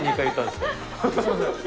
すみません。